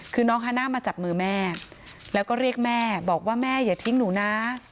คือน้องฮาน่ามาจับมือแม่แล้วก็เรียกแม่บอกว่าแม่อย่าทิ้งหนูนะ